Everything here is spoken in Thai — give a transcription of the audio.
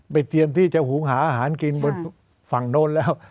เตรียมที่จะหุงหาอาหารกินบนฝั่งโน้นแล้ว